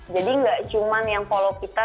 jadi nggak cuman yang follow kita